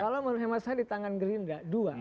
kalau menurut hemat saya di tangan gerindra dua